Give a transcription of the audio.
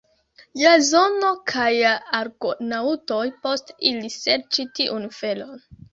Jazono kaj la Argonaŭtoj poste iris serĉi tiun felon.